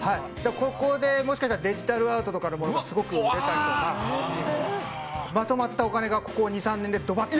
ここでもしかしたらデジタルアートとかで出たりとかまとまったお金がここ２３年でドバッと。